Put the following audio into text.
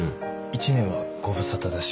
１年はご無沙汰だし。